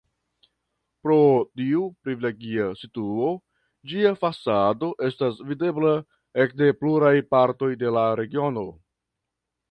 Pro tiu privilegia situo ĝia fasado estas videbla ekde pluraj partoj de la regiono.